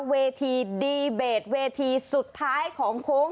เวทีดีเบตเวทีสุดท้ายของโค้ง